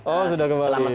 oh sudah kembali